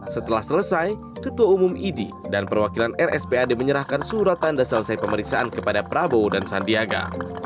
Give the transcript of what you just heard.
setelah selesai ketua umum idi dan perwakilan rspad menyerahkan surat tanda selesai pemeriksaan kepada prabowo dan sandiaga